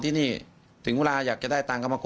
บอกอยู่แล้วผัวกเขา